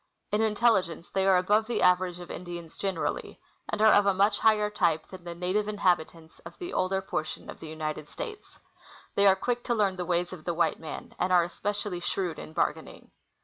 In intelligence they are above the average of Indians generally, and are of a much higher type than the native inhabitants of the older portion of the United States. They are quick to learn the ways of the white man, and are especially shrewd in bargaining.